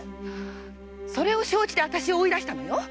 それを承知で私を追い出したのよ！